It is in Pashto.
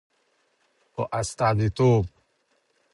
په استازیتوب